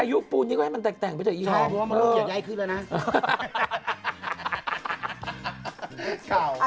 อายุปูนี้ก็ให้ใหม่แต่งไม่จะแย่ขึ้นแล้วนะ